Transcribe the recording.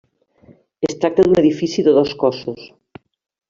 Es tracta d'un edifici de dos cossos.